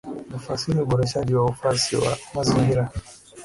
Inafasili uboreshaji wa usafi wa mazingira